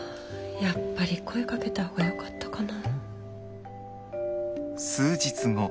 やっぱり声かけた方がよかったかな。